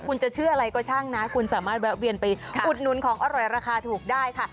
คุณจะชื่ออะไรก็ช่างนะคุณสามารถแวะเวียนไปอุดหนุนของอร่อยราคาถูกได้ค่ะ